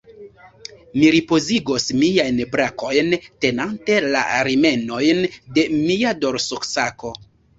Mi ripozigos miajn brakojn, tenante la rimenojn de mia dorsosako.